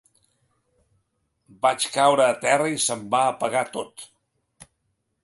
Vaig caure a terra i se’m va apagar tot.